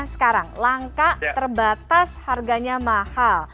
sekarang langka terbatas harganya mahal